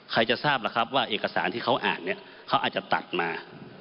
จะทราบล่ะครับว่าเอกสารที่เขาอ่านเนี่ยเขาอาจจะตัดมา